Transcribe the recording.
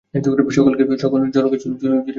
সকল জড়কে ছুঁড়িয়া ফেলিয়া দাও।